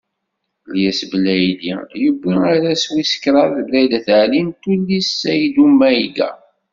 Lyes Belɛidi yewwi arraz wis kraḍ Belɛid At Ɛli n tullist Ṣayddu Mayga.